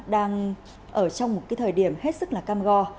đang ở trong một thời điểm hết sức cam go